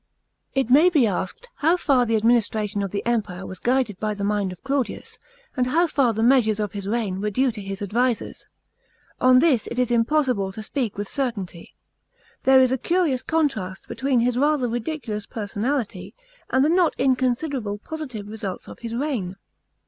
§ 15. It may be asked how far the administration of the Empire was guided by the mind of Claudius, and how far the measures of his reign were due to his advisers. On this it is impossible to speak with certainty. There is a curious contrast between his rather ridiculous personality and the not inconsiderable positive results of his reign.